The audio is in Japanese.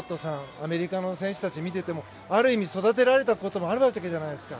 アメリカの選手たちを見ていてもある意味育てられたこともあるわけじゃないですか。